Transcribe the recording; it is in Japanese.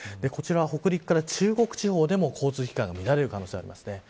こちらは北陸から中国地方でも交通機関が乱れる可能性があります。